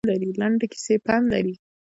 لنډې کیسې پند لري